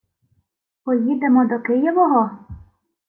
— Поїдемо до Києвого?